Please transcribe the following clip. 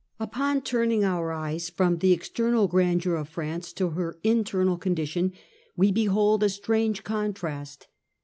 Upon turning our eyes from the external grandeur of France to her internal condition we behold a strange contrast.